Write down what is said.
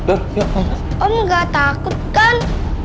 om nggak takut kan